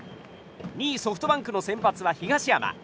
２位、ソフトバンクの先発は東浜。